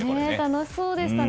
楽しそうでしたね。